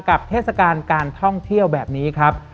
เทศกาลการท่องเที่ยวแบบนี้ครับ